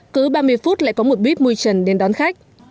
cứ ba mươi phút lại có một buýt mùi trần đến đón khách